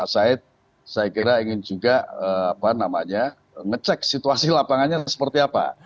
saya kira ingin juga ngecek situasi lapangannya seperti apa